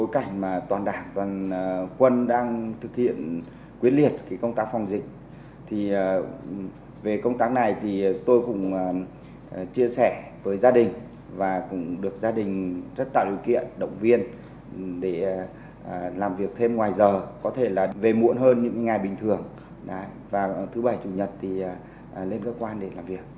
các quân đang thực hiện quyết liệt công tác phòng dịch về công tác này tôi cũng chia sẻ với gia đình và cũng được gia đình rất tạo điều kiện động viên để làm việc thêm ngoài giờ có thể là về muộn hơn những ngày bình thường và thứ bảy chủ nhật thì lên cơ quan để làm việc